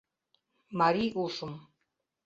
Марий ушым